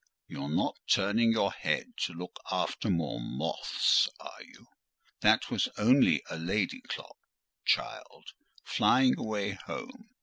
You're not turning your head to look after more moths, are you? That was only a lady clock, child, 'flying away home.